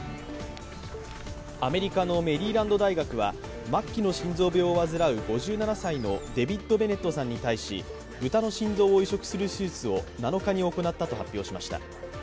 アメリカのメリーランド大学は末期の心臓病を患う５７歳のデビッド・ベネットさんに対し、豚の心臓を移植する手術を７日に行ったと発表しました。